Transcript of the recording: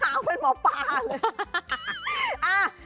หาเป็นหมอปลาเลย